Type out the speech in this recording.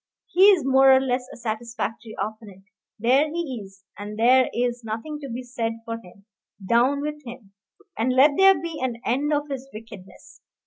he is more or less a satisfactory opponent. There he is, and there is nothing to be said for him down with him! and let there be an end of his wickedness.